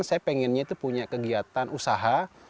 saya pengennya itu punya kegiatan usaha